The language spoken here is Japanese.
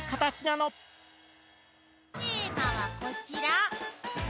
テーマはこちら。